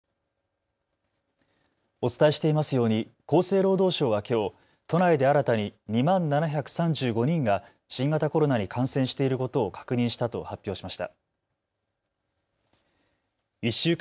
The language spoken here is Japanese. お伝えしていますように厚生労働省はきょう都内で新たに２万７３５人が新型コロナに感染していることを確認したと発表しました。